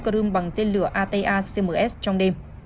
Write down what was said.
crimea bằng tên lửa atacms trong đêm